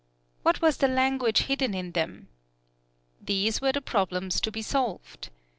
What was the language hidden in them? These were the problems to be solved!